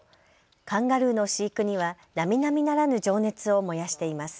カンガルーの飼育には、なみなみならぬ情熱を燃やしています。